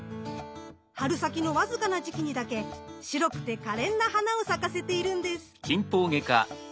春先のわずかな時期にだけ白くてかれんな花を咲かせているんです。